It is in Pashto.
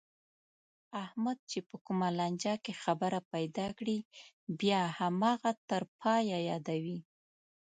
احمد چې په کومه لانجه کې خبره پیدا کړي، بیا هماغه تر پایه یادوي.